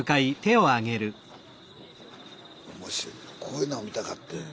こういうのが見たかってん。